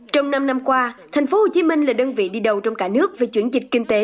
trong năm năm qua tp hcm là đơn vị đi đầu trong cả nước về chuyển dịch kinh tế